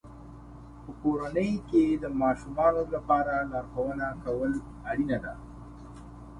په کورنۍ کې د ماشومانو لپاره لارښوونه کول اړینه ده.